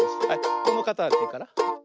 このかたちから。